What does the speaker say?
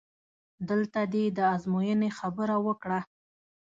دلته دې د ازموینې خبره وکړه؟!